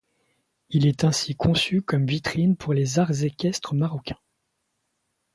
Il est ainsi conçu comme vitrine pour les arts équestres marocains.